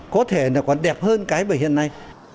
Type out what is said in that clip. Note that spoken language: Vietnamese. có thể còn đẹp hơn cái về hiện nay